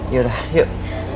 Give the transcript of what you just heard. ya udah yuk